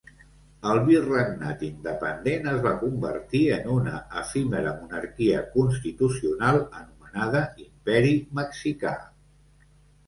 El virregnat independent es va convertir en una efímera monarquia constitucional anomenada Imperi Mexicà.